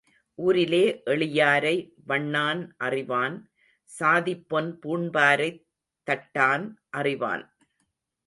ஊரிலே எளியாரை வண்ணான் அறிவான் சாதிப் பொன் பூண்பாரைத் தட்டான் அறிவான்.